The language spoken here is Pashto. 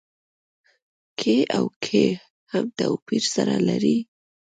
کې او کي هم توپير سره لري.